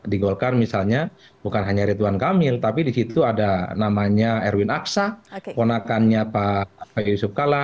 di golkar misalnya bukan hanya ridwan kamil tapi di situ ada namanya erwin aksa ponakannya pak yusuf kalla